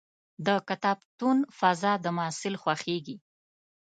د کتابتون فضا د محصل خوښېږي.